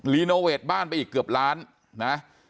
รีโนเวทท์บ้านไปอีกเกือบล้านเนี่ย